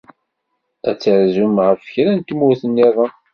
Ad terzum ɣef kra n tmurt niḍen?